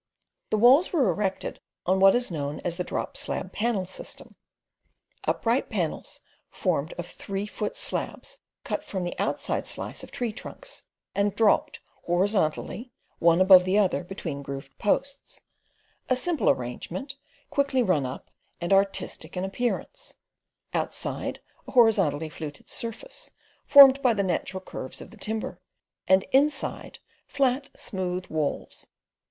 The walls were erected on what is known as the drop slab panel system—upright panels formed of three foot slabs cut from the outside slice of tree trunks, and dropped horizontally, one above the other, between grooved posts—a simple arrangement, quickly run up and artistic in appearance—outside, a horizontally fluted surface, formed by the natural curves of the timber, and inside, flat, smooth walls.